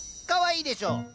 かわいいでしょ。